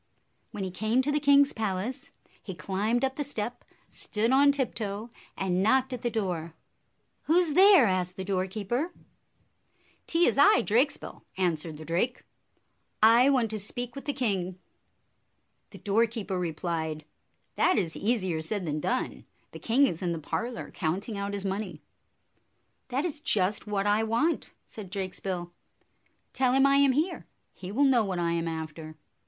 When he came to the king's palace, he climbed up the step, stood on tiptoe, and knocked at the door. "Who 's there?" asked the doorkeeper. "'T is I, Drakesbill," answered the drake. "I want to speak with the king." The doorkeeper replied, "That is easier said than done. The king is in the parlor, counting out his money." "That is just what I want," said Drakesbill. "Tell him I am here. He will know what I am after."